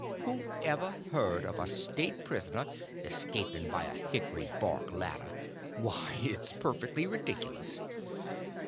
Who ever heard of a state prisoner escaping by a hickry bark ladder? Why, it's perfectly ridiculous."